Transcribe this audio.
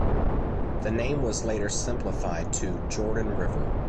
The name was later simplified to "Jordan River".